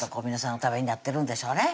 お食べになってるんでしょうね